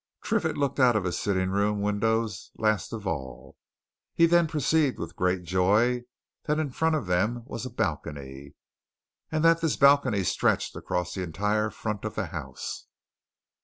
Triffitt looked out of his sitting room windows last of all. He then perceived with great joy that in front of them was a balcony, and that this balcony stretched across the entire front of the house.